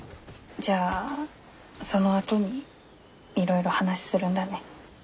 じゃあそのあとにいろいろ話するんだね。